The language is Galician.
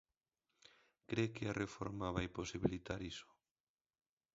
Cre que a reforma vai posibilitar iso?